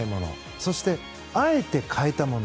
そして、あえて変えたもの